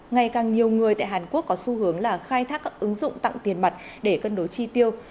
ngày càng nhiều người tại hàn quốc có xu hướng là khai thác các ứng dụng tặng tiền mặt để cân đối chi tiêu